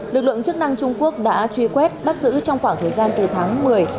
lực lượng chức năng trung quốc đã truy quét bắt giữ trong khoảng thời gian từ tháng một mươi